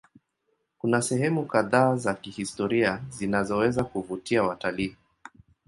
Kuna sehemu kadhaa za kihistoria zinazoweza kuvutia watalii.